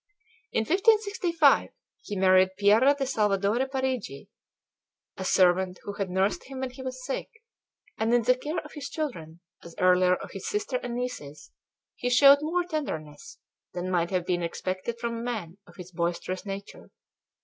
In 1565 he married Piera de Salvadore Parigi, a servant who had nursed him when he was sick; and in the care of his children, as earlier of his sister and nieces, he showed more tenderness than might have been expected from a man of his boisterous nature.